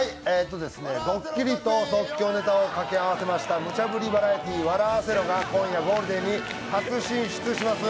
ドッキリと即興ネタを掛け合わせましたムチャぶりバラエティー「笑アセろ」が今夜ゴールデンに初進出します。